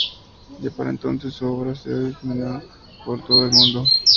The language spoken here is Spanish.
Ya para entonces su obra se ha diseminado por todo el mundo.